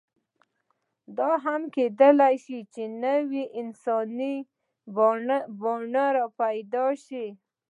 دا هم کېدی شي، چې نوې انساني بڼې راپیدا شي.